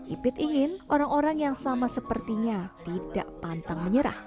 ipid ingin orang orang yang sama sepertinya tidak pantang menyerah